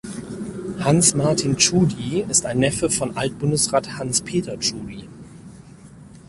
Hans Martin Tschudi ist ein Neffe von Alt-Bundesrat Hans-Peter Tschudi.